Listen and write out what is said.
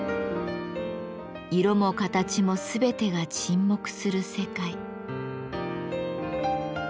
色も形も全てが沈黙する世界。